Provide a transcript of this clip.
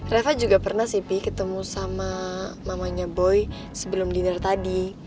rafa juga pernah sih pi ketemu sama mamanya boy sebelum dinner tadi